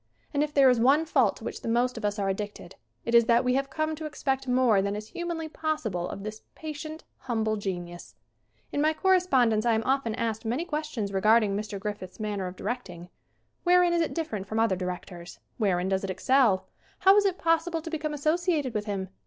And if there is one fault to which the most of us are addicted it is that we have come to ex pect more than is humanly possible of this patient, humble genius. In my correspondence I am often asked many questions regarding Mr. Griffith's man ner of directing. Wherein is it different from other directors ? Wherein does it excel ? How is it possible to become associated with him?